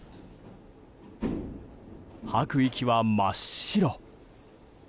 吐く息は真っ白。